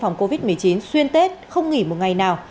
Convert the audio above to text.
phòng covid một mươi chín xuyên tết không nghỉ một ngày nào